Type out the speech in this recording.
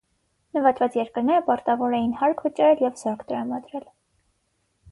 Նվաճված երկրները պարտավոր էին հարկ վճարել և զորք տրամադրել։